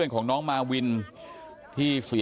ยายก็นั่งร้องไห้ลูบคลำลงศพตลอดเวลา